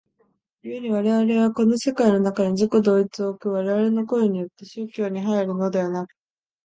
故に我々はこの世界の中に自己同一を置く我々の行為によって宗教に入るのでなく、